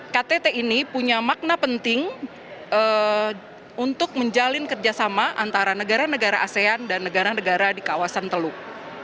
ktt ini punya makna penting untuk menjalin kerjasama antara negara negara asean dan negara negara di kawasan teluk